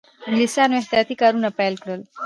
انګلیسیانو احتیاطي کارونه پیل کړل.